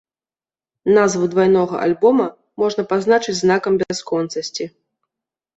Назву двайнога альбома, можна пазначыць знакам бясконцасці.